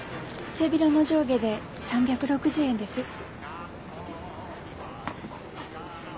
背広の上下で３６０円です。